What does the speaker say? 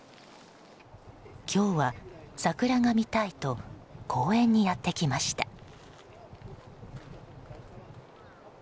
今日は、桜が見たいと公園にやってきました。